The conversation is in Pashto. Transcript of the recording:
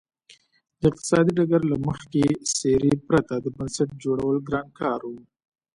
د اقتصادي ډګر له مخکښې څېرې پرته د بنسټ جوړول ګران کار و.